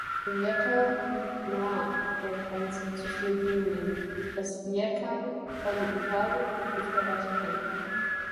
Rijeka liegt nahe der Grenze zu Slowenien, das Rijeka von Italien und Österreich trennt.